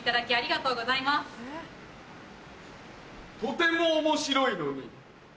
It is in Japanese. とても面白いのに。